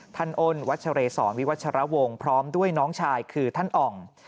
ท่านอลวัชเชลส์๒วิวัชรวงศ์พร้อมด้วยน้องชายคือท่านอ่อม